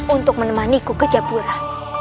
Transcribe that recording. untuk menemaniku ke jepun